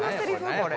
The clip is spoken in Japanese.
これ。